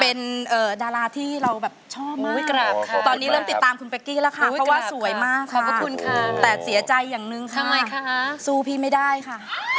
เป็นดาราที่เราแบบชอบมากตอนนี้เริ่มติดตามคุณเป๊กกี้แล้วค่ะเพราะว่าสวยมากขอบพระคุณค่ะแต่เสียใจอย่างหนึ่งค่ะสู้พี่ไม่ได้ค่ะ